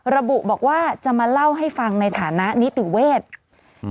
ระบุบอกว่าจะมาเล่าให้ฟังในฐานะนิติเวศอืม